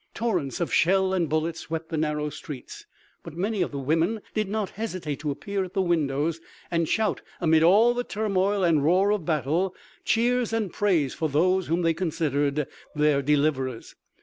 Torrents of shell and bullets swept the narrow streets, but many of the women did not hesitate to appear at the windows and shout amid all the turmoil and roar of battle cheers and praise for those whom they considered their deliverers.